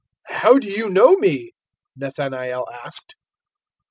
001:048 "How do you know me?" Nathanael asked.